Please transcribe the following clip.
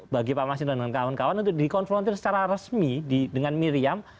bagi pak masinton dan kawan kawan untuk dikonfrontir secara resmi dengan miriam